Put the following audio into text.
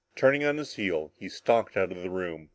Turning on his heel, he stalked out of the room.